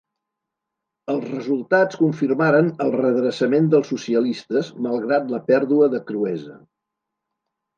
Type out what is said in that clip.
Els resultats confirmaren el redreçament dels socialistes, malgrat la pèrdua de Cruesa.